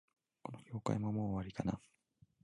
この業界も、もう終わりかな